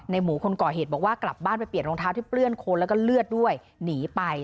หมูคนก่อเหตุบอกว่ากลับบ้านไปเปลี่ยนรองเท้าที่เปื้อนโคนแล้วก็เลือดด้วยหนีไป